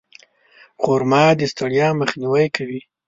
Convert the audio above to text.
خرما د ستړیا مخنیوی کوي.